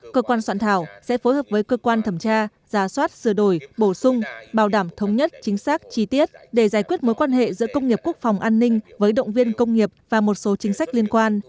cơ quan soạn thảo sẽ phối hợp với cơ quan thẩm tra giá soát sửa đổi bổ sung bảo đảm thống nhất chính xác chi tiết để giải quyết mối quan hệ giữa công nghiệp quốc phòng an ninh với động viên công nghiệp và một số chính sách liên quan